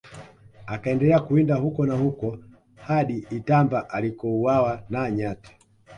Akaendelea kuwinda huko na huko hadi Itamba alikouawa na nyati